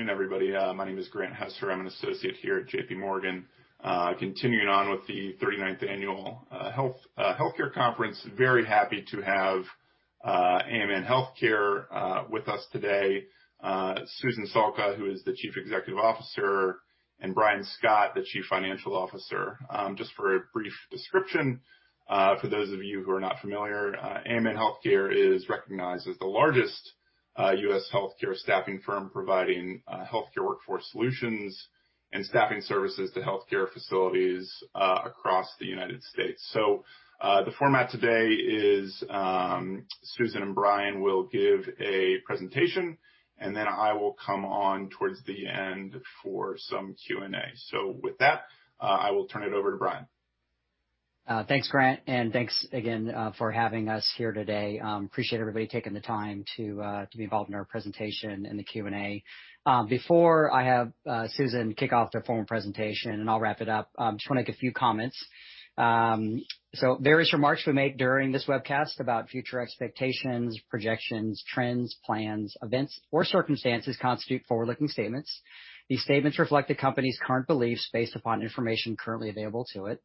Good afternoon, everybody. My name is Grant Hester. I'm an associate here at JPMorgan. Continuing on with the 39th Annual Healthcare Conference. Very happy to have AMN Healthcare with us today. Susan Salka, who is the Chief Executive Officer, and Brian Scott, the Chief Financial Officer. Just for a brief description, for those of you who are not familiar, AMN Healthcare is recognized as the largest U.S. healthcare staffing firm providing healthcare workforce solutions and staffing services to healthcare facilities across the United States. The format today is, Susan and Brian will give a presentation, and then I will come on towards the end for some Q&A. With that, I will turn it over to Brian. Thanks, Grant, and thanks again for having us here today. Appreciate everybody taking the time to be involved in our presentation and the Q&A. Before I have Susan kick off the formal presentation, and I'll wrap it up, just want to make a few comments. Various remarks we make during this webcast about future expectations, projections, trends, plans, events, or circumstances constitute forward-looking statements. These statements reflect the company's current beliefs based upon information currently available to it.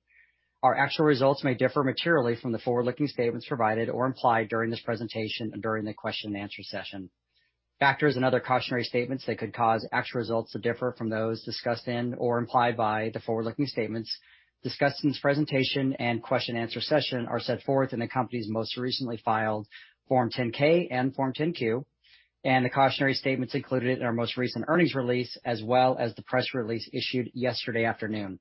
Our actual results may differ materially from the forward-looking statements provided or implied during this presentation and during the question and answer session. Factors and other cautionary statements that could cause actual results to differ from those discussed in or implied by the forward-looking statements discussed in this presentation and question answer session are set forth in the company's most recently filed Form 10-K and Form 10-Q, and the cautionary statements included in our most recent earnings release, as well as the press release issued yesterday afternoon.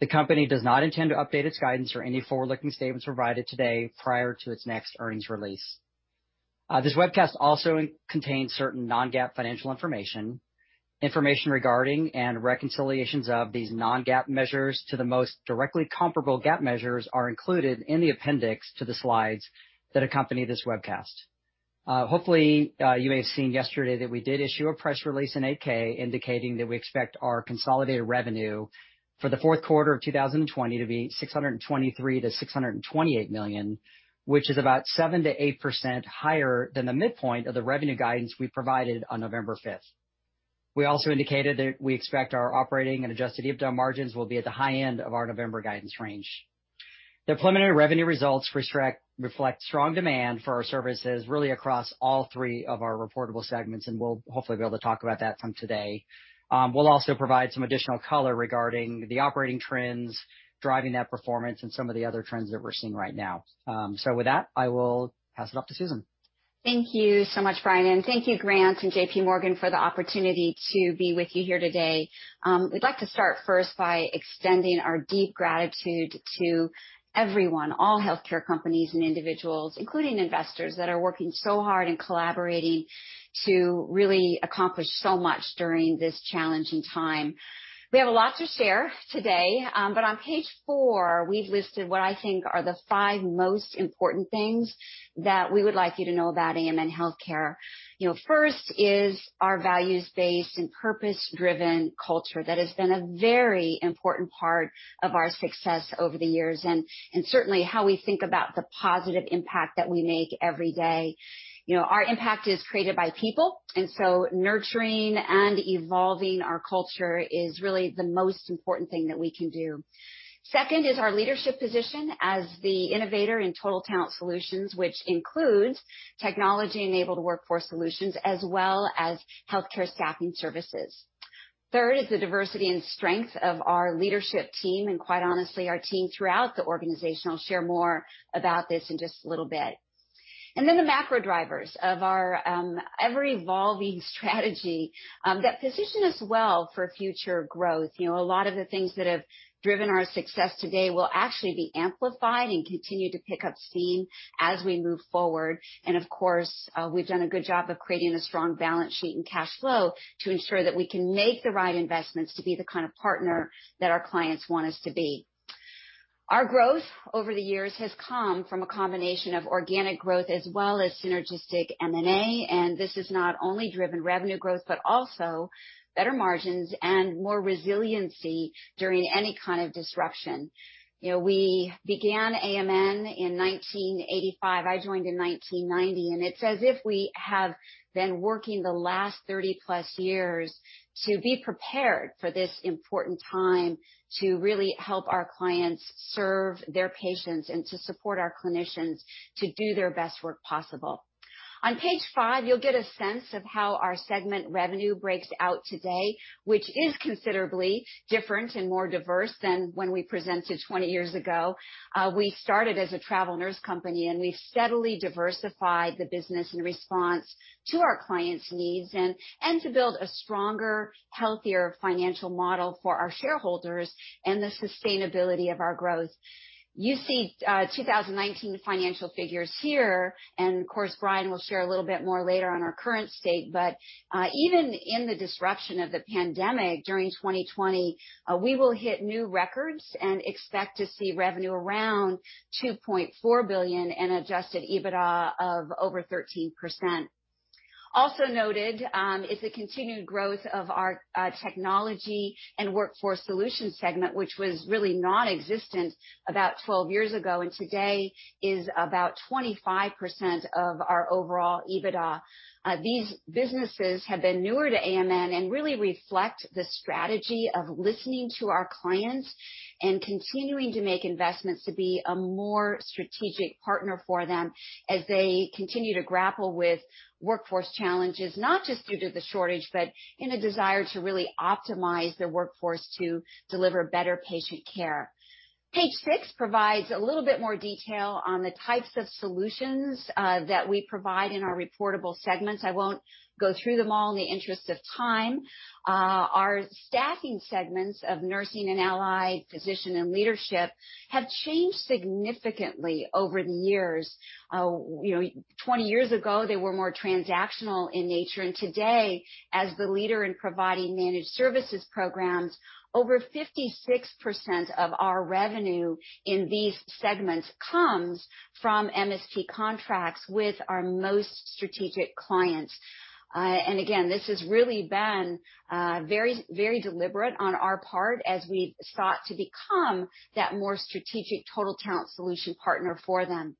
The company does not intend to update its guidance or any forward-looking statements provided today prior to its next earnings release. This webcast also contains certain non-GAAP financial information. Information regarding and reconciliations of these non-GAAP measures to the most directly comparable GAAP measures are included in the appendix to the slides that accompany this webcast. Hopefully, you may have seen yesterday that we did issue a press release and 8-K indicating that we expect our consolidated revenue for the fourth quarter of 2020 to be $623 million-$628 million, which is about 7%-8% higher than the midpoint of the revenue guidance we provided on November 5th. We also indicated that we expect our operating and adjusted EBITDA margins will be at the high end of our November guidance range. The preliminary revenue results reflect strong demand for our services really across all three of our reportable segments, and we'll hopefully be able to talk about that some today. We'll also provide some additional color regarding the operating trends driving that performance and some of the other trends that we're seeing right now. With that, I will pass it off to Susan. Thank you so much, Brian, and thank you, Grant and JPMorgan for the opportunity to be with you here today. We'd like to start first by extending our deep gratitude to everyone, all healthcare companies and individuals, including investors, that are working so hard and collaborating to really accomplish so much during this challenging time. We have a lot to share today, but on page four, we've listed what I think are the five most important things that we would like you to know about AMN Healthcare. First is our values-based and purpose-driven culture. That has been a very important part of our success over the years and certainly how we think about the positive impact that we make every day. Our impact is created by people, and so nurturing and evolving our culture is really the most important thing that we can do. Second is our leadership position as the innovator in total talent solutions, which includes technology-enabled workforce solutions as well as healthcare staffing services. Third is the diversity and strength of our leadership team, and quite honestly, our team throughout the organization. I'll share more about this in just a little bit. The macro drivers of our ever-evolving strategy that position us well for future growth. A lot of the things that have driven our success today will actually be amplified and continue to pick up steam as we move forward. Of course, we've done a good job of creating a strong balance sheet and cash flow to ensure that we can make the right investments to be the kind of partner that our clients want us to be. Our growth over the years has come from a combination of organic growth as well as synergistic M&A, and this has not only driven revenue growth but also better margins and more resiliency during any kind of disruption. We began AMN in 1985. I joined in 1990, and it's as if we have been working the last 30+ years to be prepared for this important time to really help our clients serve their patients and to support our clinicians to do their best work possible. On page five, you'll get a sense of how our segment revenue breaks out today, which is considerably different and more diverse than when we presented 20 years ago. We started as a travel nurse company, and we've steadily diversified the business in response to our clients' needs and to build a stronger, healthier financial model for our shareholders and the sustainability of our growth. You see 2019 financial figures here. Of course, Brian will share a little bit more later on our current state. Even in the disruption of the pandemic during 2020, we will hit new records and expect to see revenue around $2.4 billion and adjusted EBITDA of over 13%. Also noted is the continued growth of our Technology and Workforce Solutions segment, which was really nonexistent about 12 years ago, and today is about 25% of our overall EBITDA. These businesses have been newer to AMN and really reflect the strategy of listening to our clients and continuing to make investments to be a more strategic partner for them as they continue to grapple with workforce challenges, not just due to the shortage, but in a desire to really optimize their workforce to deliver better patient care. Page six provides a little bit more detail on the types of solutions that we provide in our reportable segments. I won't go through them all in the interest of time. Our staffing segments of Nurse and Allied Physician and Leadership have changed significantly over the years. 20 years ago, they were more transactional in nature. Today, as the leader in providing managed services programs, over 56% of our revenue in these segments comes from MSP contracts with our most strategic clients. Again, this has really been very deliberate on our part as we've sought to become that more strategic total talent solution partner for them.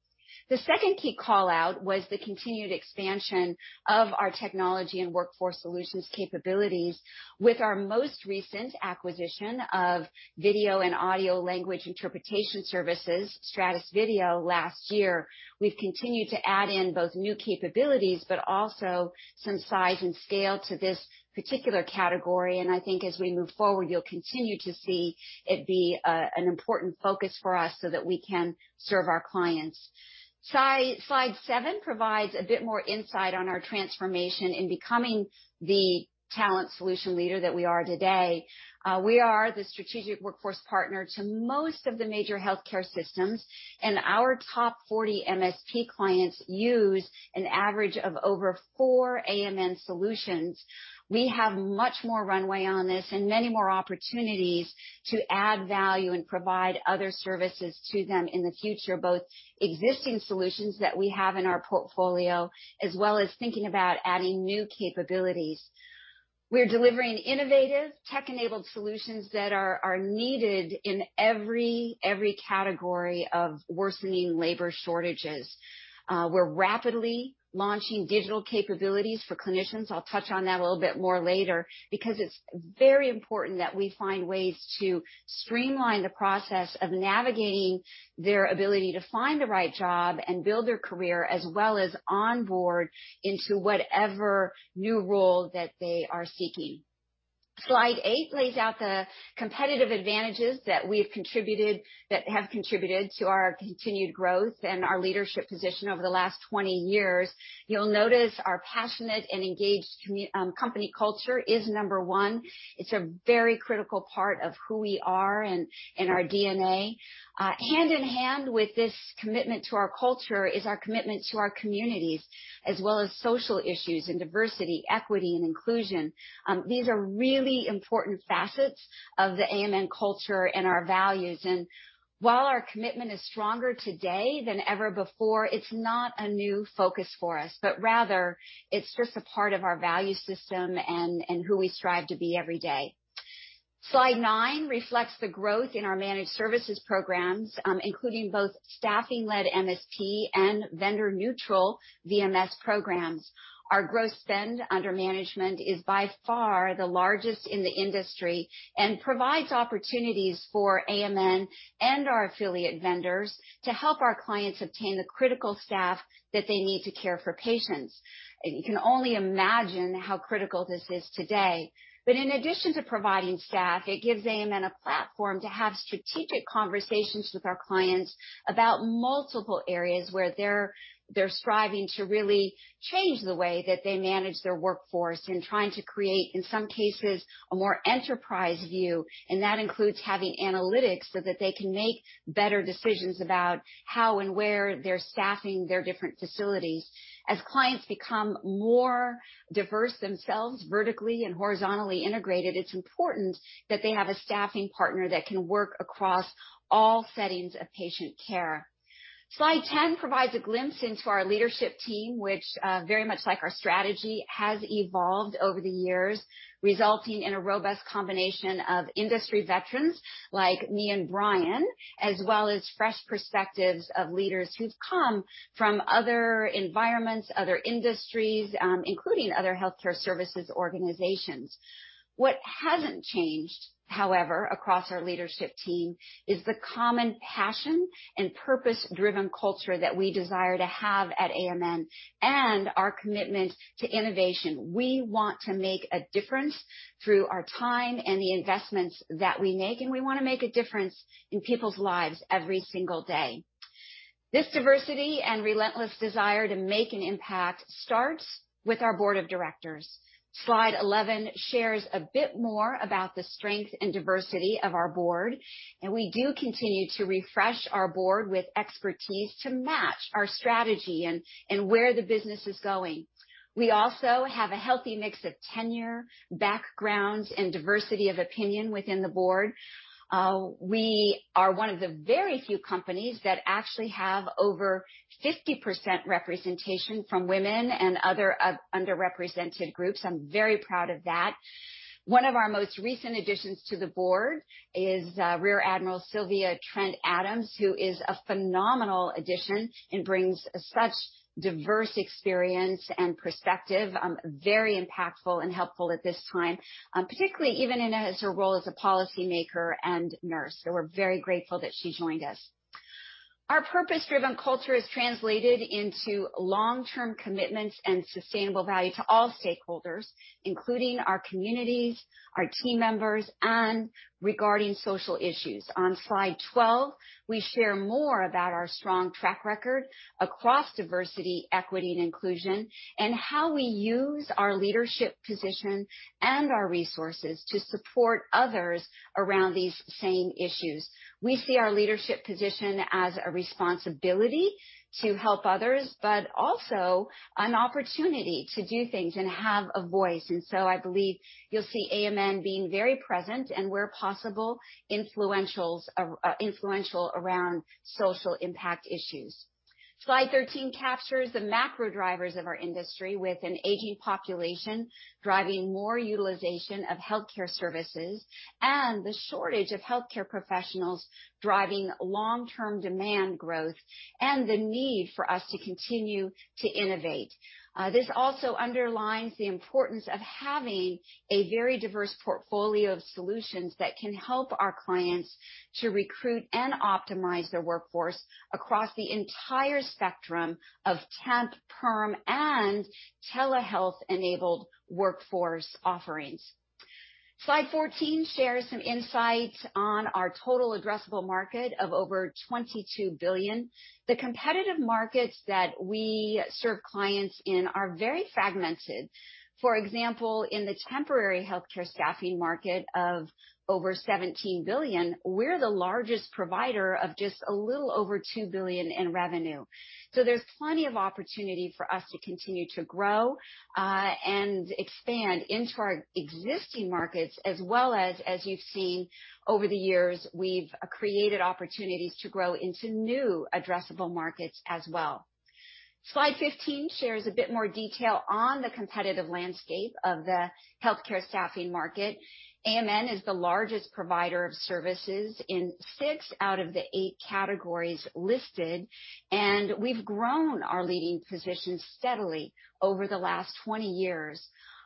The second key call-out was the continued expansion of our Technology and Workforce Solutions capabilities with our most recent acquisition of video and audio language interpretation services, Stratus Video, last year. We've continued to add in both new capabilities but also some size and scale to this particular category. I think as we move forward, you'll continue to see it be an important focus for us so that we can serve our clients. Slide seven provides a bit more insight on our transformation in becoming the talent solution leader that we are today. We are the strategic workforce partner to most of the major healthcare systems, and our top 40 MSP clients use an average of over four AMN solutions. We have much more runway on this and many more opportunities to add value and provide other services to them in the future, both existing solutions that we have in our portfolio as well as thinking about adding new capabilities. We're delivering innovative tech-enabled solutions that are needed in every category of worsening labor shortages. We're rapidly launching digital capabilities for clinicians. I'll touch on that a little bit more later because it's very important that we find ways to streamline the process of navigating their ability to find the right job and build their career as well as onboard into whatever new role that they are seeking. Slide eight lays out the competitive advantages that have contributed to our continued growth and our leadership position over the last 20 years. You'll notice our passionate and engaged company culture is number one. It's a very critical part of who we are and in our DNA. Hand in hand with this commitment to our culture is our commitment to our communities as well as social issues and Diversity, Equity, and Inclusion. These are really important facets of the AMN culture and our values. While our commitment is stronger today than ever before, it's not a new focus for us, but rather it's just a part of our value system and who we strive to be every day. Slide nine reflects the growth in our managed services programs, including both staffing-led MSP and vendor-neutral VMS programs. Our gross spend under management is by far the largest in the industry and provides opportunities for AMN and our affiliate vendors to help our clients obtain the critical staff that they need to care for patients. You can only imagine how critical this is today. In addition to providing staff, it gives AMN a platform to have strategic conversations with our clients about multiple areas where they're striving to really change the way that they manage their workforce and trying to create, in some cases, a more enterprise view, and that includes having analytics so that they can make better decisions about how and where they're staffing their different facilities. As clients become more diverse themselves, vertically and horizontally integrated, it's important that they have a staffing partner that can work across all settings of patient care. Slide 10 provides a glimpse into our leadership team, which very much like our strategy, has evolved over the years, resulting in a robust combination of industry veterans like me and Brian, as well as fresh perspectives of leaders who've come from other environments, other industries, including other healthcare services organizations. What hasn't changed, however, across our leadership team is the common passion and purpose-driven culture that we desire to have at AMN and our commitment to innovation. We want to make a difference through our time and the investments that we make, and we want to make a difference in people's lives every single day. This diversity and relentless desire to make an impact starts with our board of directors. Slide 11 shares a bit more about the strength and diversity of our board, and we do continue to refresh our board with expertise to match our strategy and where the business is going. We also have a healthy mix of tenure, backgrounds, and diversity of opinion within the board. We are one of the very few companies that actually have over 50% representation from women and other underrepresented groups. I'm very proud of that. One of our most recent additions to the board is Rear Admiral Sylvia Trent-Adams, who is a phenomenal addition and brings such diverse experience and perspective, very impactful and helpful at this time, particularly even in her role as a policymaker and nurse. We're very grateful that she joined us. Our purpose-driven culture is translated into long-term commitments and sustainable value to all stakeholders, including our communities, our team members, and regarding social issues. On slide 12, we share more about our strong track record across diversity, equity, and inclusion, and how we use our leadership position and our resources to support others around these same issues. We see our leadership position as a responsibility to help others, but also an opportunity to do things and have a voice. I believe you'll see AMN being very present and where possible, influential around social impact issues. Slide 13 captures the macro drivers of our industry, with an aging population driving more utilization of healthcare services and the shortage of healthcare professionals driving long-term demand growth and the need for us to continue to innovate. This also underlines the importance of having a very diverse portfolio of solutions that can help our clients to recruit and optimize their workforce across the entire spectrum of temp, perm, and telehealth-enabled workforce offerings. Slide 14 shares some insights on our total addressable market of over $22 billion. The competitive markets that we serve clients in are very fragmented. For example, in the temporary healthcare staffing market of over $17 billion, we're the largest provider of just a little over $2 billion in revenue. There's plenty of opportunity for us to continue to grow, and expand into our existing markets as well as you've seen over the years, we've created opportunities to grow into new addressable markets as well. Slide 15 shares a bit more detail on the competitive landscape of the healthcare staffing market. AMN is the largest provider of services in six out of the eight categories listed, and we've grown our leading position steadily over the last 20 years.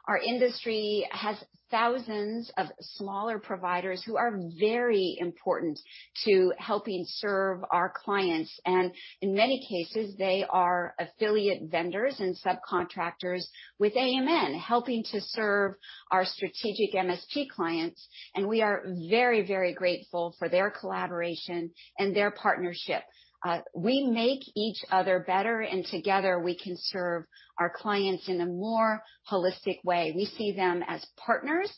Our industry has thousands of smaller providers who are very important to helping serve our clients, and in many cases, they are affiliate vendors and subcontractors with AMN, helping to serve our strategic MSP clients. We are very, very grateful for their collaboration and their partnership. We make each other better, and together we can serve our clients in a more holistic way. We see them as partners,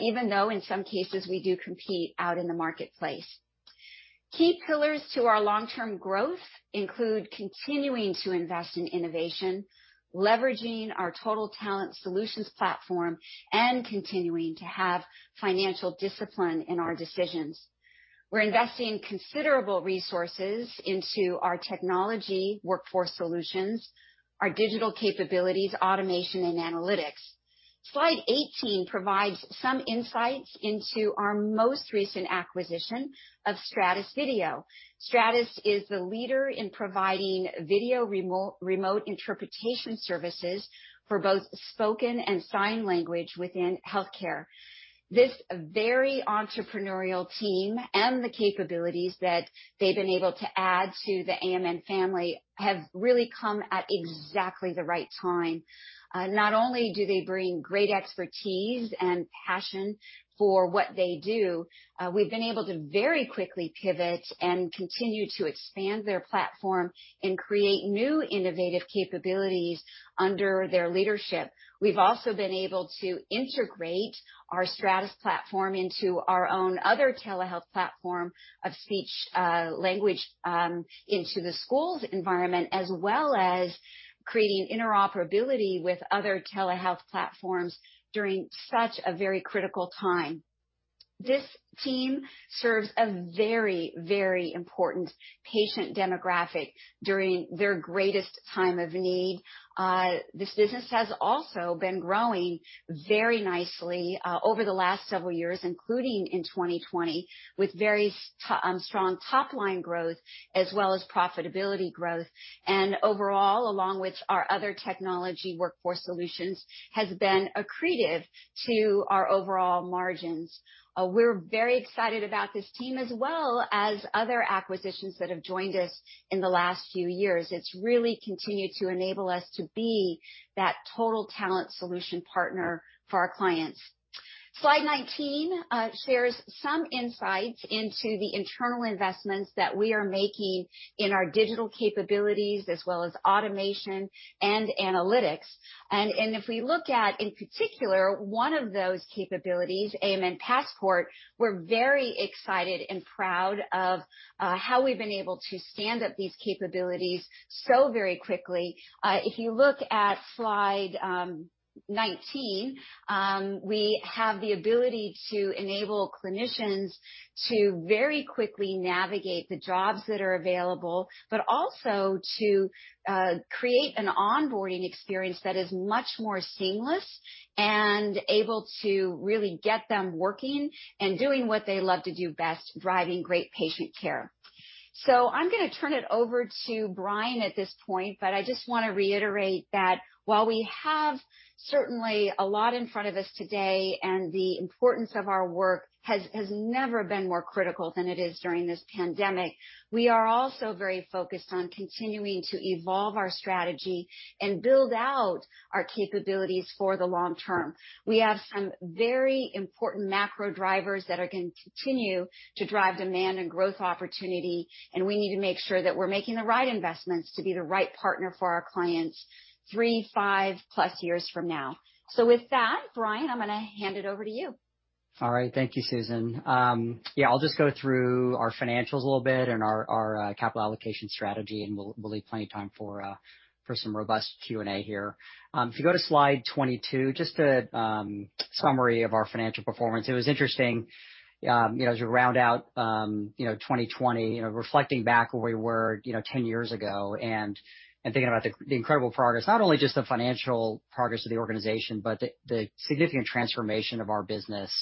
even though in some cases we do compete out in the marketplace. Key pillars to our long-term growth include continuing to invest in innovation, leveraging our total talent solutions platform, and continuing to have financial discipline in our decisions. We're investing considerable resources into our Technology and Workforce Solutions, our digital capabilities, automation, and analytics. Slide 18 provides some insights into our most recent acquisition of Stratus Video. Stratus is the leader in providing video remote interpretation services for both spoken and sign language within healthcare. This very entrepreneurial team and the capabilities that they've been able to add to the AMN family have really come at exactly the right time. Not only do they bring great expertise and passion for what they do, we've been able to very quickly pivot and continue to expand their platform and create new innovative capabilities under their leadership. We've also been able to integrate our Stratus platform into our own other Televate into the schools environment, as well as creating interoperability with other telehealth platforms during such a very critical time. This team serves a very, very important patient demographic during their greatest time of need. This business has also been growing very nicely over the last several years, including in 2020, with very strong top-line growth as well as profitability growth. Overall, along with our other Technology and Workforce Solutions, has been accretive to our overall margins. We're very excited about this team as well as other acquisitions that have joined us in the last few years. It's really continued to enable us to be that total talent solution partner for our clients. Slide 19 shares some insights into the internal investments that we are making in our digital capabilities, as well as automation and analytics. If we look at, in particular, one of those capabilities, AMN Passport, we're very excited and proud of how we've been able to stand up these capabilities so very quickly. If you look at slide 19, we have the ability to enable clinicians to very quickly navigate the jobs that are available, but also to create an onboarding experience that is much more seamless and able to really get them working and doing what they love to do best, providing great patient care. I'm going to turn it over to Brian at this point, but I just want to reiterate that while we have certainly a lot in front of us today, and the importance of our work has never been more critical than it is during this pandemic. We are also very focused on continuing to evolve our strategy and build out our capabilities for the long term. We have some very important macro drivers that are going to continue to drive demand and growth opportunity, and we need to make sure that we're making the right investments to be the right partner for our clients three, five plus years from now. With that, Brian, I'm going to hand it over to you. All right. Thank you, Susan. Yeah, I'll just go through our financials a little bit and our capital allocation strategy, and we'll leave plenty of time for some robust Q&A here. If you go to slide 22, just a summary of our financial performance. It was interesting, as we round out 2020, reflecting back where we were 10 years ago and thinking about the incredible progress, not only just the financial progress of the organization, but the significant transformation of our business,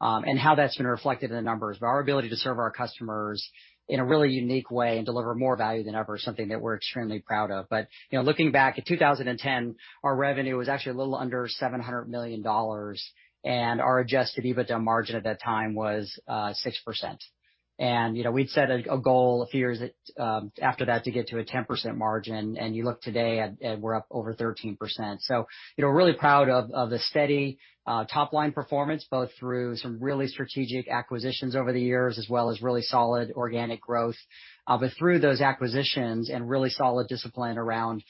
and how that's been reflected in the numbers. Our ability to serve our customers in a really unique way and deliver more value than ever is something that we're extremely proud of. Looking back at 2010, our revenue was actually a little under $700 million, and our adjusted EBITDA margin at that time was 6%. We'd set a goal a few years after that to get to a 10% margin, and you look today at, and we're up over 13%. Really proud of the steady top-line performance, both through some really strategic acquisitions over the years, as well as really solid organic growth. Through those acquisitions and really solid discipline around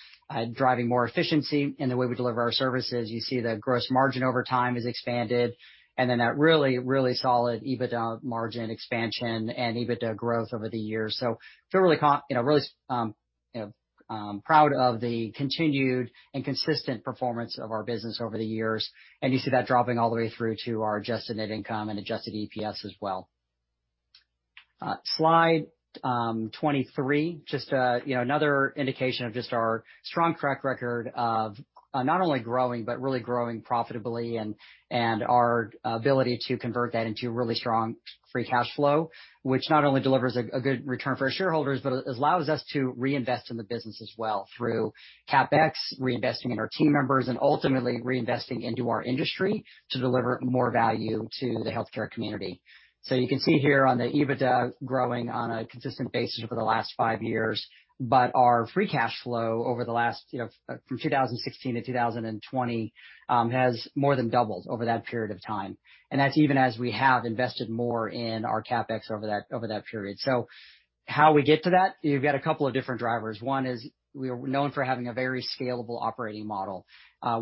driving more efficiency in the way we deliver our services, you see the gross margin over time has expanded, and then that really, really solid EBITDA margin expansion and EBITDA growth over the years. Feel really proud of the continued and consistent performance of our business over the years. You see that dropping all the way through to our adjusted net income and adjusted EPS as well. Slide 23. Just another indication of just our strong track record of not only growing, but really growing profitably and our ability to convert that into really strong free cash flow, which not only delivers a good return for our shareholders, but allows us to reinvest in the business as well through CapEx, reinvesting in our team members, and ultimately reinvesting into our industry to deliver more value to the healthcare community. You can see here on the EBITDA growing on a consistent basis over the last five years. Our free cash flow over the last, from 2016 to 2020, has more than doubled over that period of time. That's even as we have invested more in our CapEx over that period. How we get to that? You've got a couple of different drivers. One is we are known for having a very scalable operating model.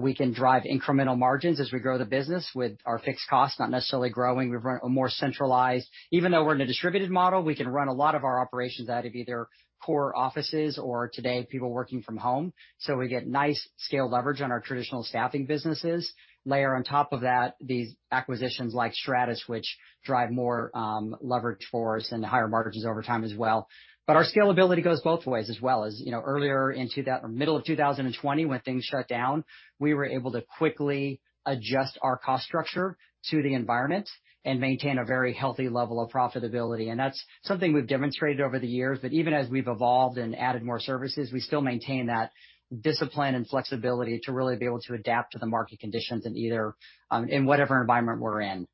We can drive incremental margins as we grow the business with our fixed costs not necessarily growing. We run a more centralized, even though we're in a distributed model, we can run a lot of our operations out of either core offices or today, people working from home. We get nice scale leverage on our traditional staffing businesses. Layer on top of that these acquisitions like Stratus, which drive more leverage for us and higher margins over time as well. Our scalability goes both ways as well. As earlier into that or middle of 2020 when things shut down, we were able to quickly adjust our cost structure to the environment and maintain a very healthy level of profitability. That's something we've demonstrated over the years, that even as we've evolved and added more services, we still maintain that discipline and flexibility to really be able to adapt to the market conditions in either, in whatever environment we're in.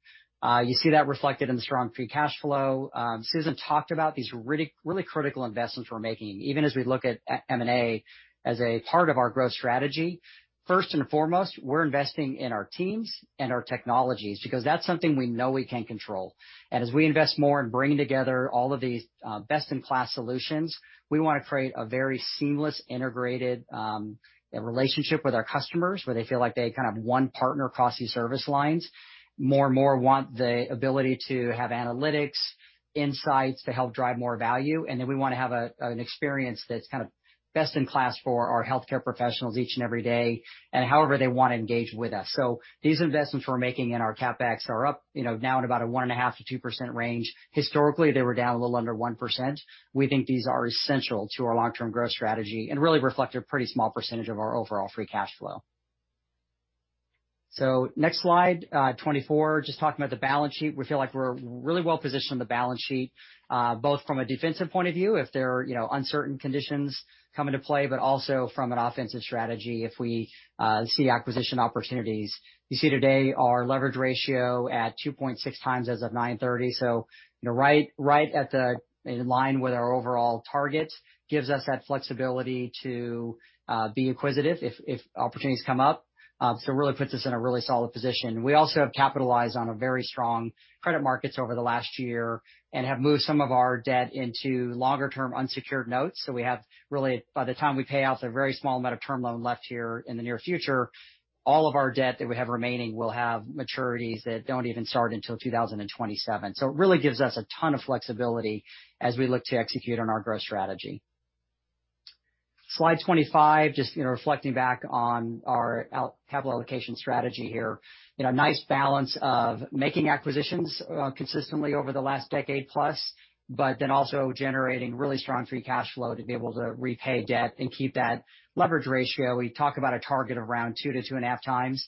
You see that reflected in the strong free cash flow. Susan talked about these really critical investments we're making, even as we look at M&A as a part of our growth strategy. First and foremost, we're investing in our teams and our technologies because that's something we know we can control. As we invest more in bringing together all of these best-in-class solutions, we want to create a very seamless, integrated relationship with our customers, where they feel like they kind of one partner across these service lines. More and more want the ability to have analytics, insights to help drive more value. We want to have an experience that's kind of best in class for our healthcare professionals each and every day and however they want to engage with us. These investments we're making in our CapEx are up now at about a 1.5%-2% range. Historically, they were down a little under 1%. We think these are essential to our long-term growth strategy and really reflect a pretty small percentage of our overall free cash flow. Next slide 24. Just talking about the balance sheet. We feel like we're really well positioned on the balance sheet, both from a defensive point of view, if there are uncertain conditions come into play, but also from an offensive strategy if we see acquisition opportunities. You see today our leverage ratio at 2.6x as of 9/30, right in line with our overall targets gives us that flexibility to be acquisitive if opportunities come up. Really puts us in a really solid position. We also have capitalized on a very strong credit markets over the last year and have moved some of our debt into longer term unsecured notes. We have really, by the time we pay off the very small amount of term loan left here in the near future, all of our debt that we have remaining will have maturities that don't even start until 2027. It really gives us a ton of flexibility as we look to execute on our growth strategy. Slide 25. Just reflecting back on our capital allocation strategy here. Nice balance of making acquisitions consistently over the last decade-plus, but then also generating really strong free cash flow to be able to repay debt and keep that leverage ratio. We talk about a target around 2x-2.5x.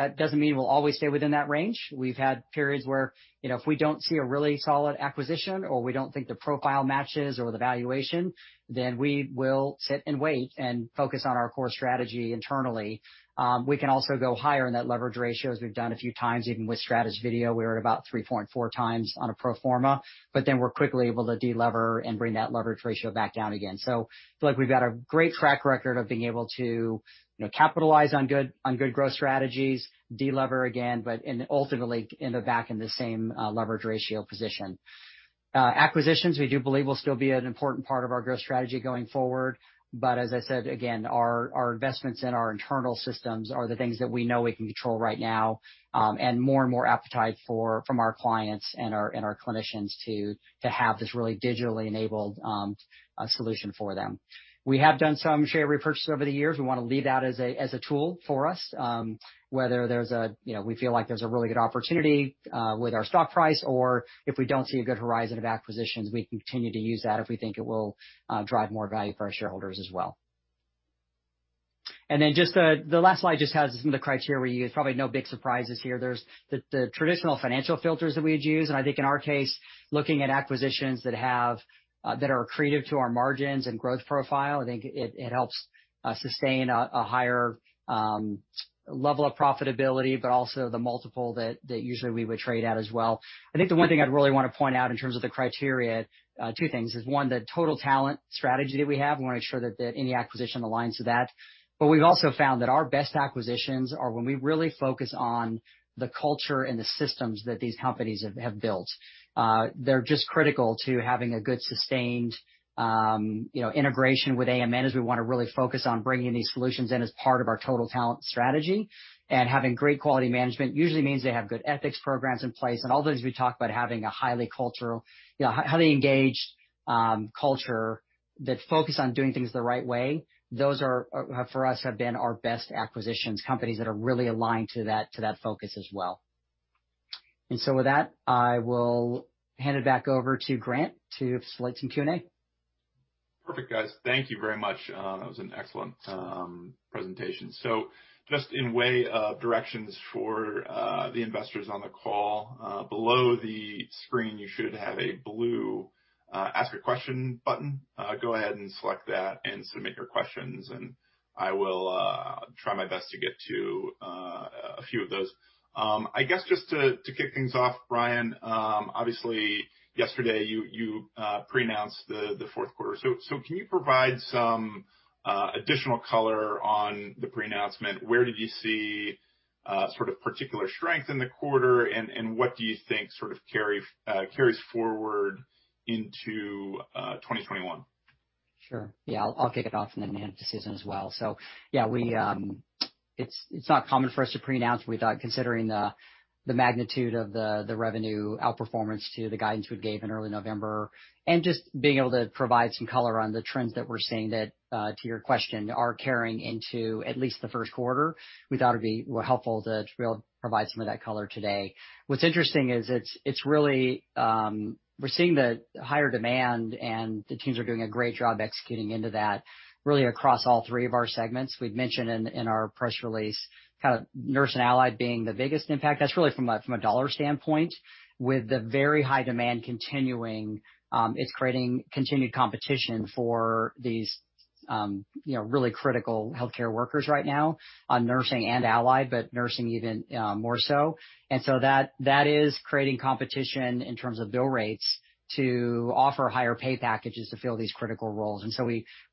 That doesn't mean we'll always stay within that range. We've had periods where if we don't see a really solid acquisition or we don't think the profile matches or the valuation, then we will sit and wait and focus on our core strategy internally. We can also go higher in that leverage ratio, as we've done a few times, even with Stratus Video, we're at about 3.4x on a pro forma, but then we're quickly able to de-lever and bring that leverage ratio back down again. Feel like we've got a great track record of being able to capitalize on good growth strategies, de-lever again, but ultimately end up back in the same leverage ratio position. Acquisitions, we do believe will still be an important part of our growth strategy going forward. As I said, again, our investments in our internal systems are the things that we know we can control right now, and more and more appetite from our clients and our clinicians to have this really digitally enabled solution for them. We have done some share repurchases over the years. We want to leave that as a tool for us. Whether we feel like there's a really good opportunity with our stock price, or if we don't see a good horizon of acquisitions, we continue to use that if we think it will drive more value for our shareholders as well. The last slide just has some of the criteria we use. Probably no big surprises here. There's the traditional financial filters that we'd use, and I think in our case, looking at acquisitions that are accretive to our margins and growth profile, I think it helps sustain a higher level of profitability, but also the multiple that usually we would trade at as well. I think the one thing I'd really want to point out in terms of the criteria, two things, is one, the total talent strategy that we have, we want to make sure that any acquisition aligns to that. We've also found that our best acquisitions are when we really focus on the culture and the systems that these companies have built. They're just critical to having a good sustained integration with AMN, as we want to really focus on bringing these solutions in as part of our total talent strategy. Having great quality management usually means they have good ethics programs in place and all the things we talk about having a highly engaged culture that's focused on doing things the right way. Those for us, have been our best acquisitions, companies that are really aligned to that focus as well. With that, I will hand it back over to Grant to select some Q&A. Perfect, guys. Thank you very much. That was an excellent presentation. Just in way of directions for the investors on the call, below the screen you should have a blue Ask a Question button. Go ahead and select that and submit your questions, and I will try my best to get to a few of those. I guess, just to kick things off, Brian, obviously yesterday you pre-announced the fourth quarter. Can you provide some additional color on the pre-announcement? Where did you see particular strength in the quarter, and what do you think carries forward into 2021? Sure. Yeah, I'll kick it off and then hand it to Susan as well. Yeah, it's not common for us to pre-announce. We thought considering the magnitude of the revenue outperformance to the guidance we'd gave in early November and just being able to provide some color on the trends that we're seeing that, to your question, are carrying into at least the first quarter, we thought it'd be helpful to be able to provide some of that color today. What's interesting is we're seeing the higher demand, and the teams are doing a great job executing into that really across all three of our segments. We'd mentioned in our press release, Nurse & Allied being the biggest impact. That's really from a dollar standpoint with the very high demand continuing. It's creating continued competition for these really critical healthcare workers right now on Nursing & Allied, but nursing even more so. That is creating competition in terms of bill rates to offer higher pay packages to fill these critical roles.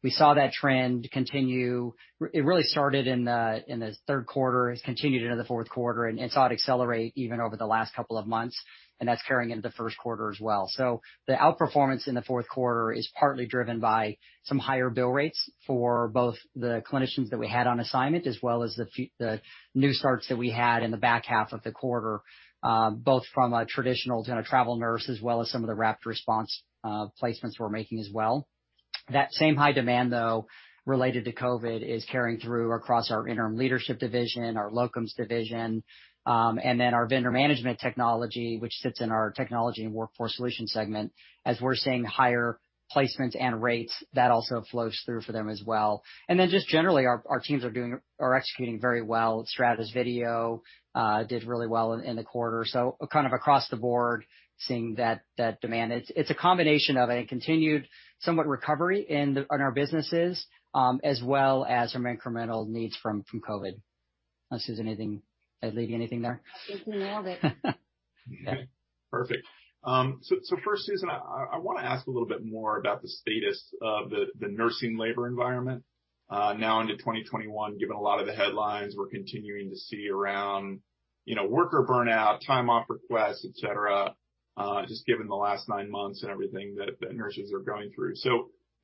We saw that trend continue. It really started in the third quarter. It's continued into the fourth quarter and saw it accelerate even over the last couple of months, and that's carrying into the first quarter as well. The outperformance in the fourth quarter is partly driven by some higher bill rates for both the clinicians that we had on assignment as well as the new starts that we had in the back half of the quarter, both from a traditional travel nurse as well as some of the rapid response placements we're making as well. That same high demand, though, related to COVID, is carrying through across our interim leadership division, our locums division, and our vendor management technology, which sits in our Technology and Workforce Solutions segment. As we're seeing higher placements and rates, that also flows through for them as well. Just generally, our teams are executing very well. Stratus Video did really well in the quarter. Kind of across the board, seeing that demand. It's a combination of a continued somewhat recovery in our businesses, as well as some incremental needs from COVID. Unless Susan, did I leave you anything there? You nailed it. Okay. Perfect. First, Susan, I want to ask a little bit more about the status of the nursing labor environment now into 2021, given a lot of the headlines we're continuing to see around worker burnout, time off requests, et cetera, just given the last nine months and everything that the nurses are going through.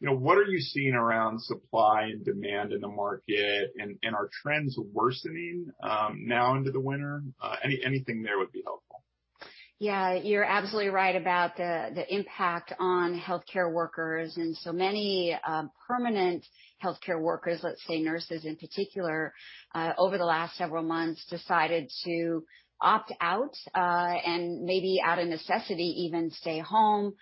What are you seeing around supply and demand in the market, and are trends worsening now into the winter? Anything there would be helpful. Yeah, you're absolutely right about the impact on healthcare workers. Many permanent healthcare workers, let's say nurses in particular, over the last several months decided to opt out, and maybe out of necessity, even stay home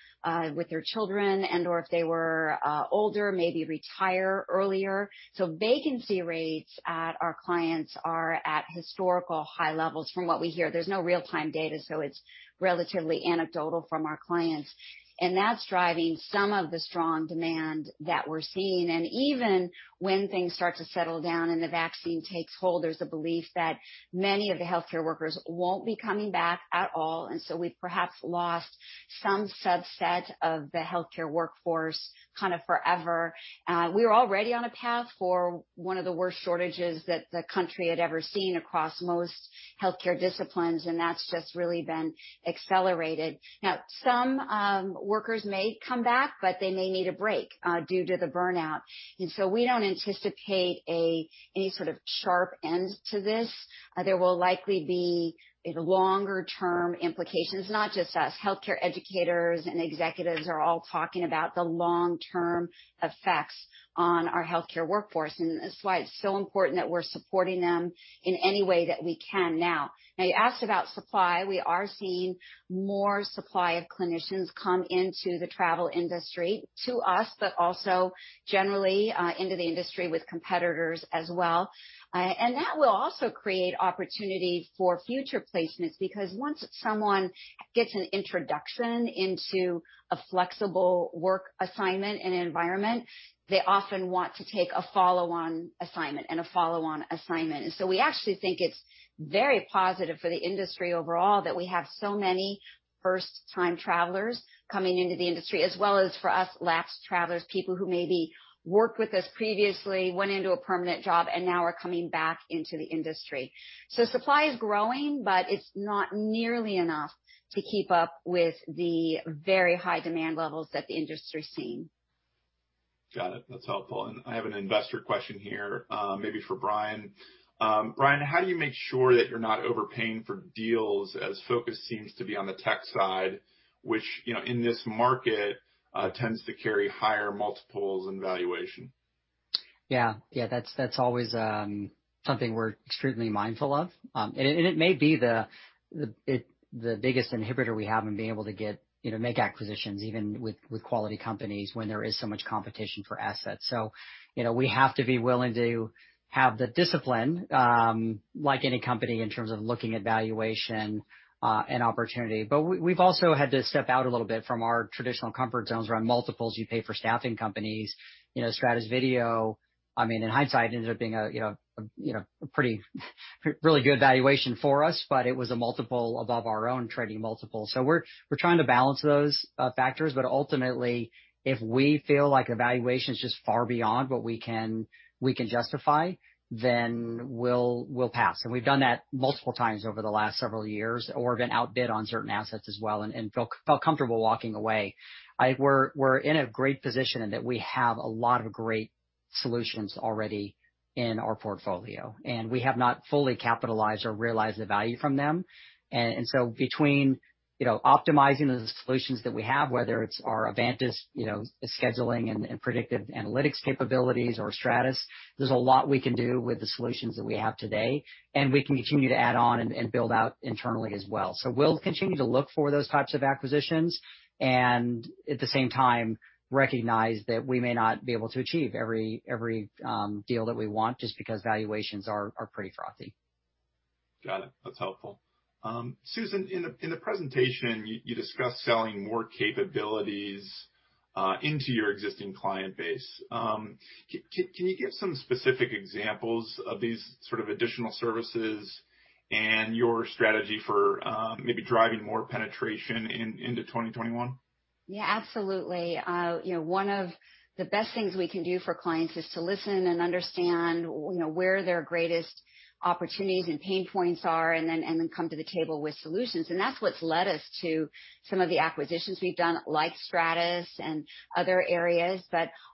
with their children and/or if they were older, maybe retire earlier. Vacancy rates at our clients are at historical high levels from what we hear. There's no real-time data, so it's relatively anecdotal from our clients. That's driving some of the strong demand that we're seeing. Even when things start to settle down and the vaccine takes hold, there's a belief that many of the healthcare workers won't be coming back at all. We've perhaps lost some subset of the healthcare workforce kind of forever. We're already on a path for one of the worst shortages that the country had ever seen across most healthcare disciplines. That's just really been accelerated. Now, some workers may come back, but they may need a break due to the burnout. We don't anticipate any sort of sharp end to this. There will likely be longer-term implications, not just us. Healthcare educators and executives are all talking about the long-term effects on our healthcare workforce. That's why it's so important that we're supporting them in any way that we can now. Now you asked about supply. We are seeing more supply of clinicians come into the travel industry to us, but also generally into the industry with competitors as well. That will also create opportunity for future placements because once someone gets an introduction into a flexible work assignment and environment, they often want to take a follow-on assignment and a follow-on assignment. We actually think it's very positive for the industry overall that we have so many first-time travelers coming into the industry as well as for us lapsed travelers, people who maybe worked with us previously, went into a permanent job, and now are coming back into the industry. Supply is growing, but it's not nearly enough to keep up with the very high demand levels that the industry's seeing. Got it. That's helpful. I have an investor question here, maybe for Brian. Brian, how do you make sure that you're not overpaying for deals as focus seems to be on the tech side, which in this market, tends to carry higher multiples and valuation? Yeah. That's always something we're extremely mindful of. It may be the biggest inhibitor we have in being able to make acquisitions even with quality companies when there is so much competition for assets. We have to be willing to have the discipline, like any company, in terms of looking at valuation and opportunity. We've also had to step out a little bit from our traditional comfort zones around multiples you pay for staffing companies. Stratus Video, in hindsight, ended up being a pretty, really good valuation for us, it was a multiple above our own trading multiple. We're trying to balance those factors. Ultimately, if we feel like a valuation's just far beyond what we can justify, then we'll pass. We've done that multiple times over the last several years or been outbid on certain assets as well and felt comfortable walking away. We're in a great position in that we have a lot of great solutions already in our portfolio, and we have not fully capitalized or realized the value from them. Between optimizing the solutions that we have, whether it's our Avantas scheduling and predictive analytics capabilities or Stratus, there's a lot we can do with the solutions that we have today, and we can continue to add on and build out internally as well. We'll continue to look for those types of acquisitions and at the same time recognize that we may not be able to achieve every deal that we want just because valuations are pretty frothy. Got it. That's helpful. Susan, in the presentation, you discussed selling more capabilities into your existing client base. Can you give some specific examples of these sort of additional services and your strategy for maybe driving more penetration into 2021? Absolutely. One of the best things we can do for clients is to listen and understand where their greatest opportunities and pain points are and come to the table with solutions. That's what's led us to some of the acquisitions we've done, like Stratus and other areas.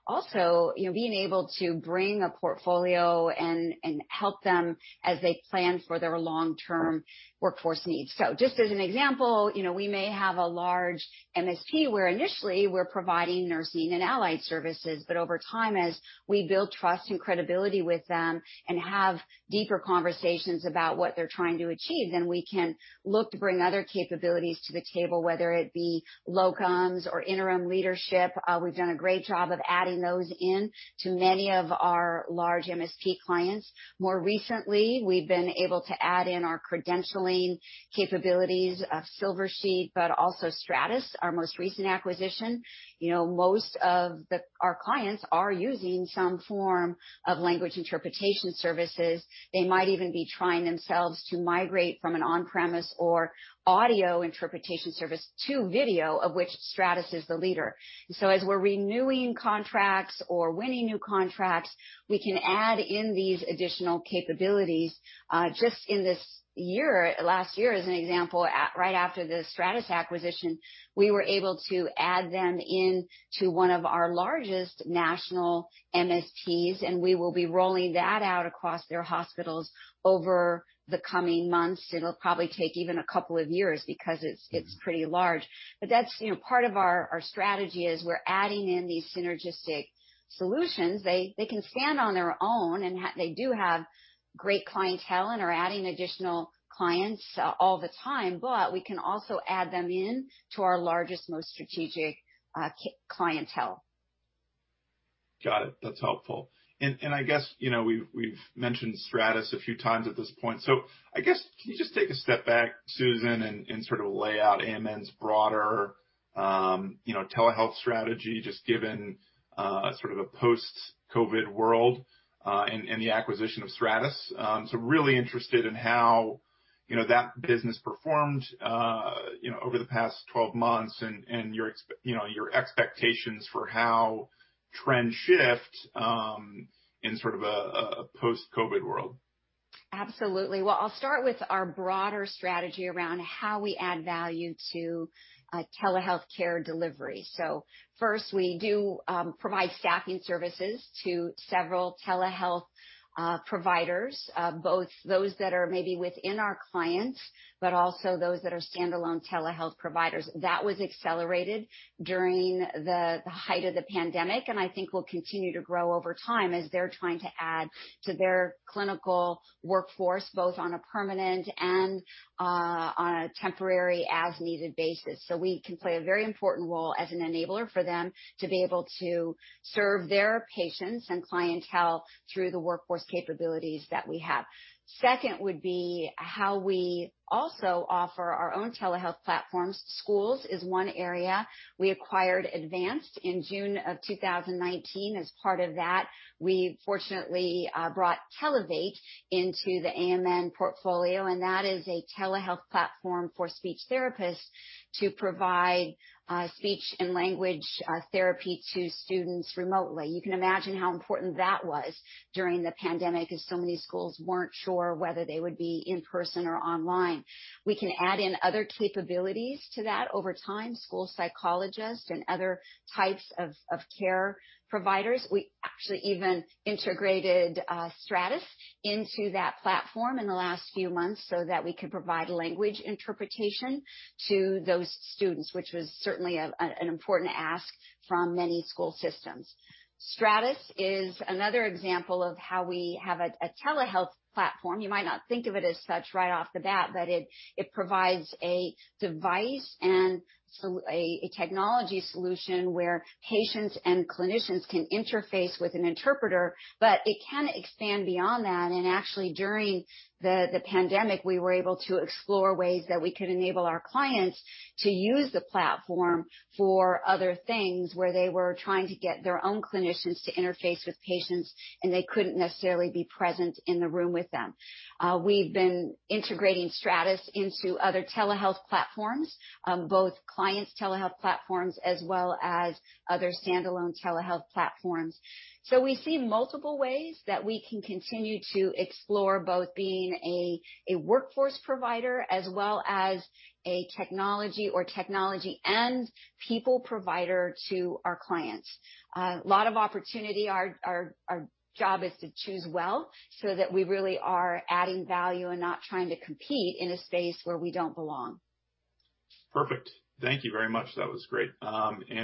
Also being able to bring a portfolio and help them as they plan for their long-term workforce needs. Just as an example, we may have a large MSP where initially we're providing nursing and allied services, but over time, as we build trust and credibility with them and have deeper conversations about what they're trying to achieve, we can look to bring other capabilities to the table, whether it be locums or interim leadership. We've done a great job of adding those in to many of our large MSP clients. More recently, we've been able to add in our credentialing capabilities of Silversheet, also Stratus, our most recent acquisition. Most of our clients are using some form of language interpretation services. They might even be trying themselves to migrate from an on-premise or audio interpretation service to video, of which Stratus is the leader. As we're renewing contracts or winning new contracts, we can add in these additional capabilities. Just in this year, last year as an example, right after the Stratus acquisition, we were able to add them in to one of our largest national MSPs. We will be rolling that out across their hospitals. Over the coming months, it'll probably take even a couple of years because it's pretty large. That's part of our strategy is we're adding in these synergistic solutions. They can stand on their own, and they do have great clientele and are adding additional clients all the time, but we can also add them in to our largest, most strategic clientele. Got it. That's helpful. We've mentioned Stratus a few times at this point. Can you just take a step back, Susan, and sort of lay out AMN's broader telehealth strategy, just given sort of a post-COVID world, and the acquisition of Stratus. Really interested in how that business performed over the past 12 months and your expectations for how trends shift in sort of a post-COVID world. Absolutely. Well, I'll start with our broader strategy around how we add value to telehealth care delivery. First, we do provide staffing services to several telehealth providers, both those that are maybe within our clients, but also those that are standalone telehealth providers. That was accelerated during the height of the pandemic, and I think will continue to grow over time as they're trying to add to their clinical workforce, both on a permanent and on a temporary, as-needed basis. We can play a very important role as an enabler for them to be able to serve their patients and clientele through the workforce capabilities that we have. Second would be how we also offer our own telehealth platforms. Schools is one area. We acquired Advanced in June of 2019. As part of that, we fortunately brought Televate into the AMN portfolio, and that is a telehealth platform for speech therapists to provide speech and language therapy to students remotely. You can imagine how important that was during the pandemic, as so many schools weren't sure whether they would be in person or online. We can add in other capabilities to that over time, school psychologists and other types of care providers. We actually even integrated Stratus into that platform in the last few months so that we could provide language interpretation to those students, which was certainly an important ask from many school systems. Stratus is another example of how we have a telehealth platform. You might not think of it as such right off the bat, it provides a device and a technology solution where patients and clinicians can interface with an interpreter, it can expand beyond that. Actually, during the pandemic, we were able to explore ways that we could enable our clients to use the platform for other things, where they were trying to get their own clinicians to interface with patients, and they couldn't necessarily be present in the room with them. We've been integrating Stratus into other telehealth platforms, both clients' telehealth platforms as well as other standalone telehealth platforms. We see multiple ways that we can continue to explore both being a workforce provider as well as a technology or technology and people provider to our clients. A lot of opportunity. Our job is to choose well so that we really are adding value and not trying to compete in a space where we don't belong. Perfect. Thank you very much. That was great.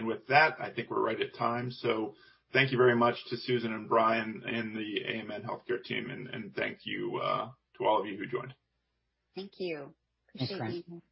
With that, I think we're right at time. Thank you very much to Susan and Brian and the AMN Healthcare team. Thank you to all of you who joined. Thank you. Appreciate it.